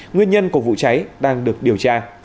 nguyên nhân của vụ cháy đang được điều tra